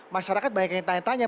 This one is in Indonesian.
masyarakat banyak yang tanya tanya